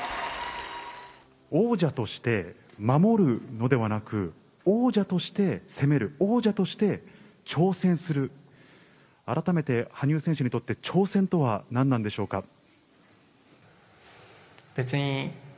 王者として、守るのではなく、王者として攻める、王者として挑戦する、改めて羽生選手にとって、挑戦とは、何なんでしょうか。